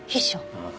ああ。